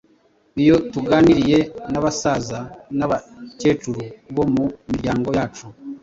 Iyo tuganiriye n’abasaza n’abakecuru bo mu miryango yacu,